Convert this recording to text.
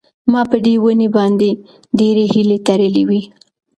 ما په دې ونې باندې ډېرې هیلې تړلې وې.